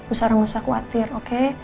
usah usah khawatir oke